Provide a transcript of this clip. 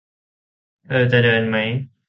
เธอจะเดินไหม